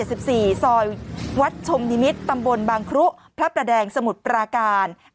ซอยวัดชมนิมิตรตำบลบางครุพระประแดงสมุทรปราการ